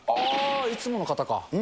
いつもの方か。